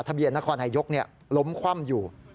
ทะเบียนนครนายกล้มคว่ำอยู่